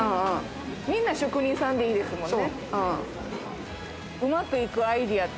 みんな職人さんでいいですもんね。